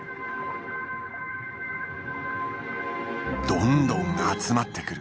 どんどん集まってくる。